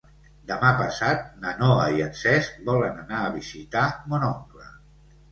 Demà passat na Noa i en Cesc volen anar a visitar mon oncle.